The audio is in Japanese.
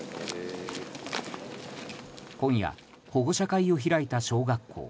今夜、保護者会を開いた小学校。